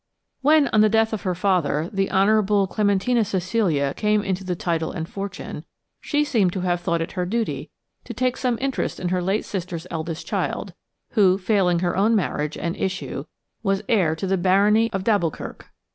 When, on the death of her father, the Honourable Clementina Cecilia came into the title and fortune, she seemed to have thought it her duty to take some interest in her late sister's eldest child, who, failing her own marriage, and issue, was heir to the barony of d'Alboukirk.